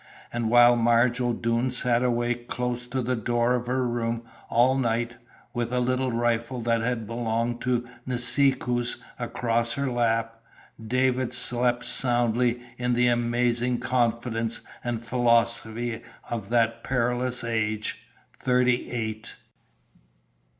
And while Marge O'Doone sat awake close to the door of her room all night, with a little rifle that had belonged to Nisikoos across her lap, David slept soundly in the amazing confidence and philosophy of that perilous age thirty eight!